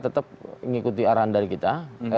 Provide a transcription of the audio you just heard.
tetap mengikuti arahan dari kita